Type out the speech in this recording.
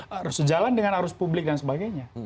harus sejalan dengan arus publik dan sebagainya